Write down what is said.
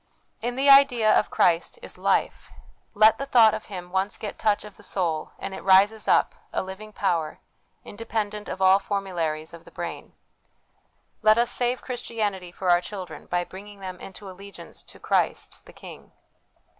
In the idea of Christ is life\ let the thought of Him once get touch of the soul, and it rises up, a living power, independent of all formu laries of the brain. Let us save Christianity for our children by bringing them into allegiance to Christ, the King.